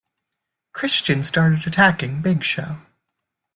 Christian started attacking Big Show.